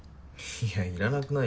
いやいらなくない？